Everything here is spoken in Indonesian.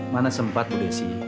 mana sempat budesi